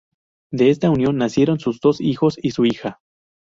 De esta unión nacieron sus dos hijos y su hija.